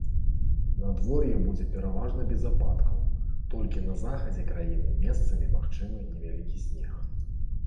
Надвор'е будзе пераважна без ападкаў, толькі на захадзе краіны месцамі магчымы невялікі снег.